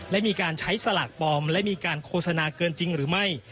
และมีการใช้สลากปลอมและมีการโฆษณาเกินจริงหรือไม่